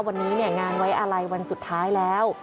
วันนี้งานไว้อะไรวันสุดท้ายแล้ว